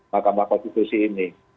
mahkamah konstitusi ini